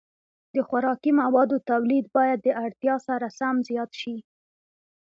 د خوراکي موادو تولید باید د اړتیا سره سم زیات شي.